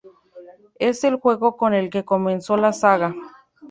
Es el juego con el que comenzó la saga.